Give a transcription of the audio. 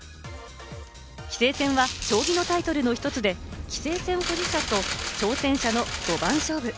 棋聖戦は将棋のタイトルの１つで、棋聖戦を保持者と挑戦者の五番勝負。